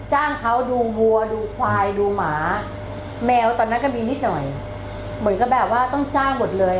จ้างเขาดูวัวดูควายดูหมาแมวตอนนั้นก็มีนิดหน่อยเหมือนกับแบบว่าต้องจ้างหมดเลย